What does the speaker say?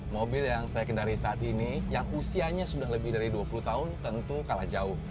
mobil yang saya kendari saat ini yang usianya sudah lebih dari dua puluh tahun tentu kalah jauh